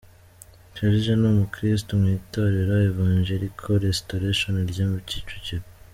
Serge ni umukristo mu itorero Evangelical Restoration rya Kicukiro.